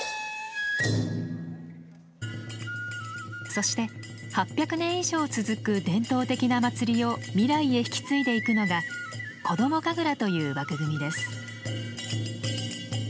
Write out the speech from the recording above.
そして８００年以上続く伝統的な祭りを未来へ引き継いでいくのが子ども神楽という枠組みです。